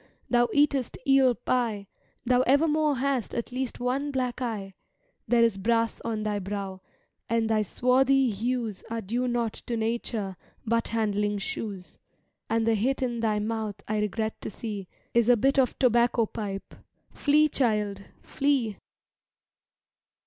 Thou eat'st eel pie, Thou evermore hast at least one black eye; There is brass on thy brow, and thy swarthy hues Are due not to nature but handling shoes; And the hit in thy mouth, I regret to see, Is a bit of tobacco pipe—Flee, child, flee!